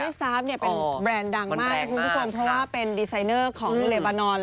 แอลลี่สตาร์ฟเนี่ยเป็นแบรนด์ดังมากครับคุณผู้ชมเพราะว่าเป็นดีไซน์เนอร์ของเรบานอน